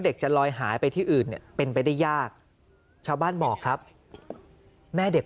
จะลอยหายไปที่อื่นเนี่ยเป็นไปได้ยากชาวบ้านบอกครับแม่เด็ก